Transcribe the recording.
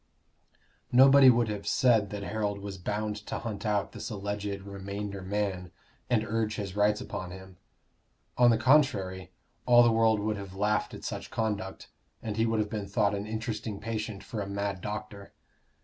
Nobody would have said that Harold was bound to hunt out this alleged remainder man and urge his rights upon him; on the contrary, all the world would have laughed at such conduct, and he would have been thought an interesting patient for a mad doctor.